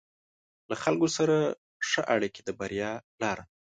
له خلکو سره ښه اړیکې د بریا لاره ده.